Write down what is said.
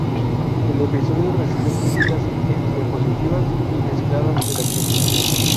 El episodio recibió críticas entre positivas y mezcladas de la crítica.